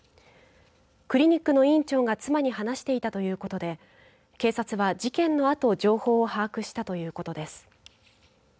クリニックの院長が妻に話していたということで警察は事件のあと、情報を把握したということです。